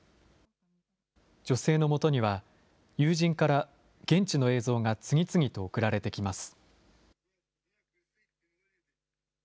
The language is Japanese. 女性のもとには友人から現地の映像が次々と送られてきます。